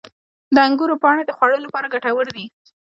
• د انګورو پاڼې د خوړو لپاره ګټور دي.